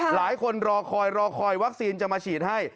รอคอยรอคอยวัคซีนจะมาฉีดให้